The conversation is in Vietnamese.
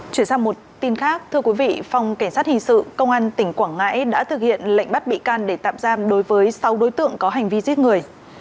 chuyển sang một tin khác thưa quý vị phòng cảnh sát hình sự công an tỉnh quảng ngãi đã thực hiện lệnh bắt bị can để tạm giam đối với sáu đối tượng có hành vi giết người